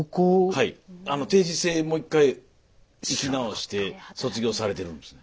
はい定時制もう一回行き直して卒業されてるんですね。